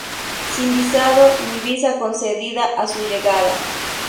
Sin visado ni visa concedida a su llegada.